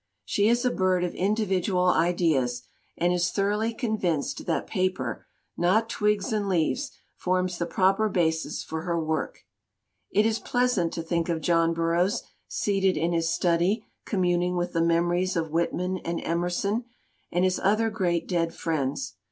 She is a bird of individual ideas, and is thoroughly convinced that paper, not twigs and leaves, forms the proper basis for her work. It is pleasant to think of John Burroughs seated in his study communing with the mem is 225 LITERATURE IN THE MAKING ories of Whitman and Emerson and his other great dead friends.